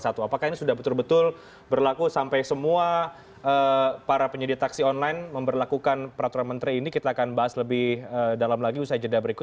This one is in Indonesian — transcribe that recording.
apakah ini sudah betul betul berlaku sampai semua para penyedia taksi online memperlakukan peraturan menteri ini kita akan bahas lebih dalam lagi usai jeda berikut